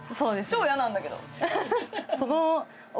超嫌なんだけど。